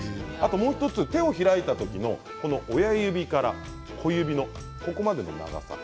もう１つ、手を開いた時の親指から小指のここまでの長さ。